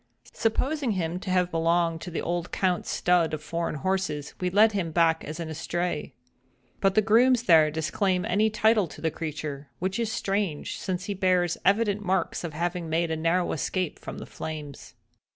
Supposing him to have belonged to the old Count's stud of foreign horses, we led him back as an estray. But the grooms there disclaim any title to the creature; which is strange, since he bears evident marks of having made a narrow escape from the flames.